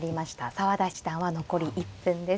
澤田七段は残り１分です。